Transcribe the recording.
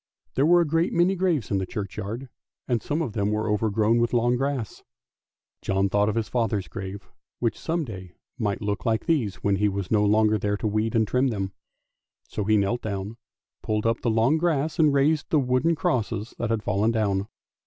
There were a great many graves in the churchyard, and some of them were overgrown with long grass. John thought of his father's grave, which some day might look like these when he was no longer there to weed and trim it. So he knelt down, pulled up the long grass, and raised the wooden crosses which had fallen down.